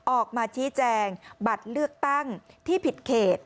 ออกมาชี้แจงบัตรเลือกตั้งที่ผิดเขต